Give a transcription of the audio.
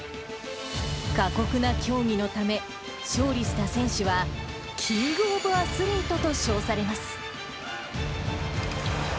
過酷な競技のため、勝利した選手は、キング・オブ・アスリートと称されます。